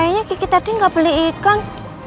kayaknya gigi tadi nggak beli ikan